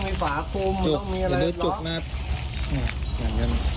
อย่าลือจุกนะครับ